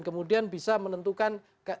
kemudian bisa menentukan